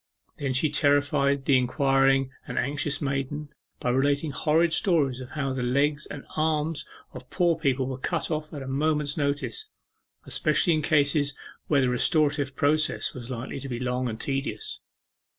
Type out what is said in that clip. Then she terrified the inquiring and anxious maiden by relating horrid stories of how the legs and arms of poor people were cut off at a moment's notice, especially in cases where the restorative treatment was likely to be long and tedious.